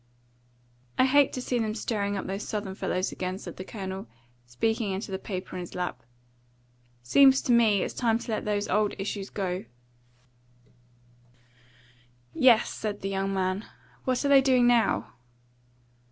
"I hate to see them stirring up those Southern fellows again," said the Colonel, speaking into the paper on his lap. "Seems to me it's time to let those old issues go." "Yes," said the young man. "What are they doing now?"